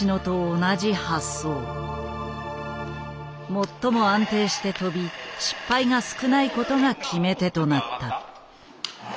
最も安定して跳び失敗が少ないことが決め手となった。